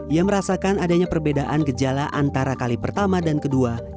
ia merasakan adanya perbedaan gejala antara kali pertama dan ketiga kali pertama